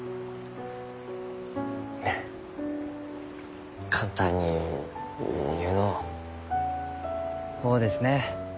あ簡単に言うのう。ほうですね。